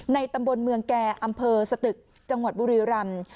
ตำบลเมืองแก่อำเภอสตึกจังหวัดบุรีรำ